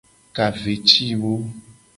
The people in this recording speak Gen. Ka ve ci wo.